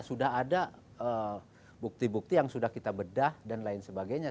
sudah ada bukti bukti yang sudah kita bedah dan lain sebagainya